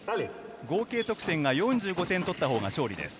合計得点が４５点取ったほうが勝利です。